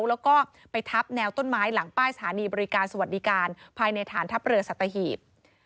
แล้วก็ไปทับแนวต้นไม้หลังป้ายสถานีบริการสวัสดิการภายในฐานทัพเรือสัตหีบ